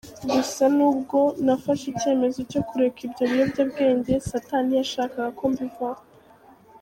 Gusa nubwo nafashe icyemezo cyo kureka ibyo biyobyabwenge Satani ntiyashakaga ko mbivaho.